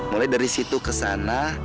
mulai dari situ ke sana